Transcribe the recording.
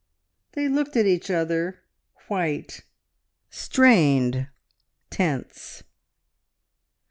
They looked at each other; white, strained, tense.